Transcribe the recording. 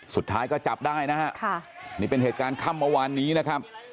สุดท้ายก็จับได้นะมีเป็นเหตุการณ์ข้ามมาวันนี้นะครับ